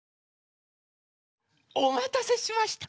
おまたせしました。